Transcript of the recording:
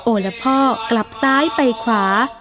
ละพ่อกลับซ้ายไปขวา